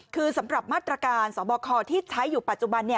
คือสำหรับมาตรการสบคที่ใช้อยู่ปัจจุบัน